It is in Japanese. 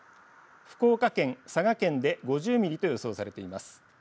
福岡県、佐賀県で５０ミリと予想されています。